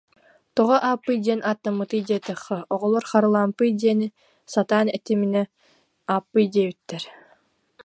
Тоҕо Ааппый диэн ааттаммытый диэтэххэ, оҕолор Харалаампый диэни сатаан этиминэ Ааппый диэбиттэр